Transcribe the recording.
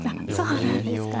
あっそうなんですか。